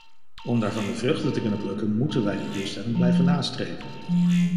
Om daarvan de vruchten te kunnen plukken, moeten wij die doelstelling blijven nastreven.